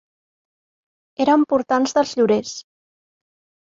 Erem portants dels llorers.